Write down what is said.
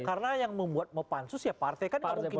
karena yang membuat mempansus ya partai kan mungkin